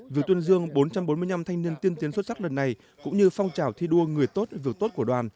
việc tuyên dương bốn trăm bốn mươi năm thanh niên tiên tiến xuất sắc lần này cũng như phong trào thi đua người tốt việc tốt của đoàn